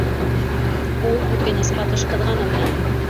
Ул үкенес ҡатыш ҡыҙғаныу менән: